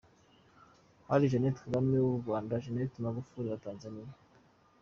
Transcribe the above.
Hari Jeannette Kagame w’u Rwanda, Janet Magufuli wa Tanzaniya.